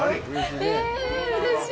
えぇ、うれしい！